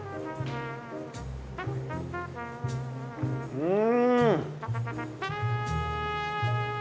うん！